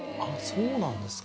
そうなんですか。